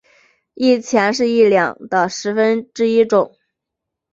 一钱是一两的十分一重。